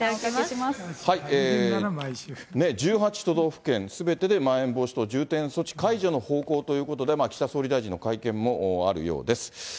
１８都道府県、すべてでまん延防止等重点措置が解除の方向ということで、岸田総理大臣の会見もあるようです。